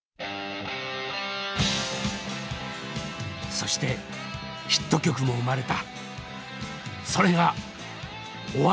そしてヒット曲も生まれた。